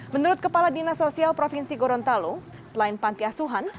menurut kepala dinas sosial provinsi gorontalo selain panti asuhan